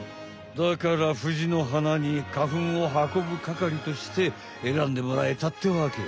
だからフジの花に花ふんをはこぶかかりとして選んでもらえたってわけ。